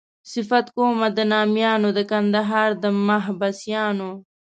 صفت کومه د نامیانو د کندهار د محبسیانو.